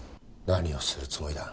何をするつもりだ？